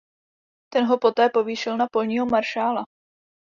Ten ho poté povýšil na polního maršála.